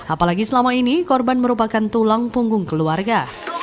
apalagi selama ini korban merupakan tulang punggung keluarga